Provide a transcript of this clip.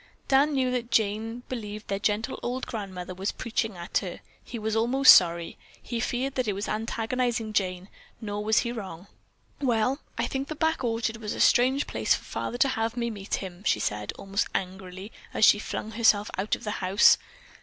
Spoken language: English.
Dan knew that Jane believed their gentle old grandmother was preaching at her. He was almost sorry. He feared that it was antagonizing Jane; nor was he wrong. "Well, I think the back orchard was a strange place for father to have me meet him," she said, almost angrily, as she flung herself out of the house.